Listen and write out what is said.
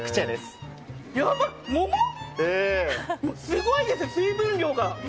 すごいですよ、水分量が。